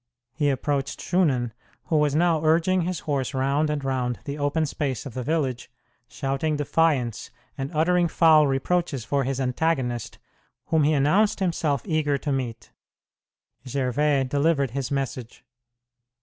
He approached Shunan, who was now urging his horse round and round the open space of the village, shouting defiance and uttering foul reproaches for his antagonist, whom he announced himself eager to meet. Gervais delivered his message.